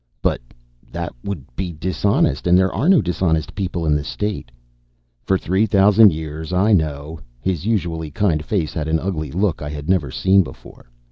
"But that would be dishonest. And there are no dishonest people in the State." "For three thousand years. I know." His usually kind face had an ugly look I had never seen before.